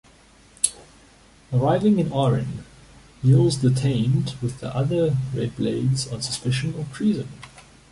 Arriving in Aren, Yil's detained with the other Red Blades on suspicion of treason.